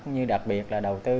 như đặc biệt là đầu tư